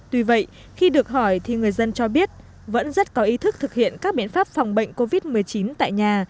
tuy vậy khi được hỏi thì người dân cho biết vẫn rất có ý thức thực hiện các biện pháp phòng bệnh covid một mươi chín tại nhà